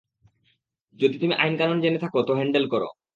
যদি তুমি আইন-কানুন জেনে থাকো, তো হ্যান্ডেল করো।